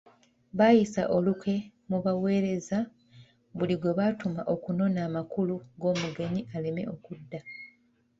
Baayisa olukwe mu baweereza buli gwe batuma okunona amakula g'omugenyi aleme okudda.